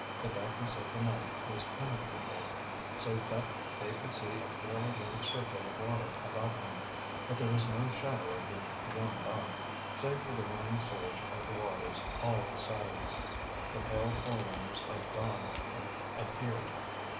The darkness of the night was penetrable, so that they could see a fairly large circle of water about them, but there was no shadow of the Jeanne D'Arc. Save for the running surge of the waters, all was silence. The pale forerunners of dawn had appeared.